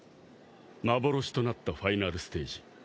幻となったファイナルステージ。